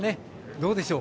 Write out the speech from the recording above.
どうでしょう。